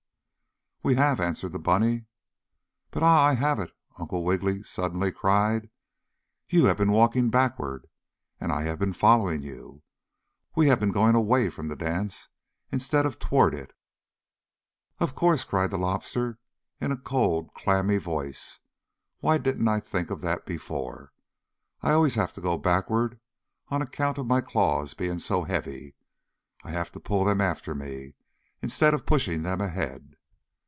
"We have," answered the bunny. "But Ah! I have it!" Uncle Wiggily suddenly cried. "You have been walking BACKWARD, and I have been following you. We have been going =away= from the dance instead of =toward= it." "Of course!" cried the Lobster, in a cold and clammy voice. "Why didn't I think of that before? I always have to go backward, on account of my claws being so heavy I have to pull them after me, instead of pushing them ahead.